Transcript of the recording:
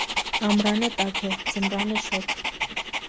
Ամռանը տաք է, ձմռանը՝ շոգ։